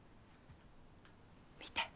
見て。